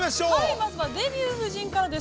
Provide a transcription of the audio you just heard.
◆まずは「デビュー夫人」からです。